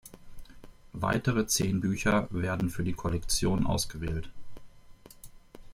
Weitere zehn Bücher werden für die Kollektion ausgewählt.